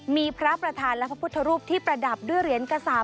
มีพระประธานและพระพุทธรูปที่ประดับด้วยเหรียญกษาป